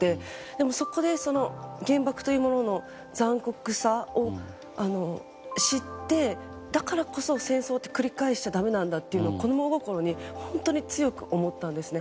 でも、そこで原爆というものの残酷さを知ってだからこそ戦争って繰り返しちゃだめなんだと子供心に本当に強く思ったんですね。